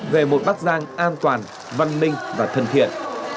về một bắc giang an toàn văn minh và thân thiện